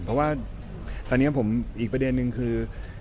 เพราะว่าตอนนี้ผมอีกประเด็นนึงคือ